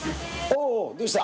おぉどうした？